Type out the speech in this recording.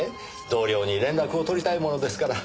同僚に連絡を取りたいものですから。